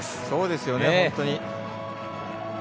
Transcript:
そうですよね。